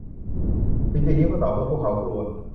ลิงจะยิ้มก็ต่อเมื่อพวกเขากลัว